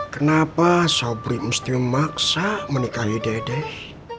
kenapa sobrim mustiun maksa menikahi dedek